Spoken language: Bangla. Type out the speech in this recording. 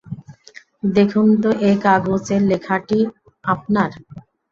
দেখুন তো এই কাগজের লেখাটি আপনার?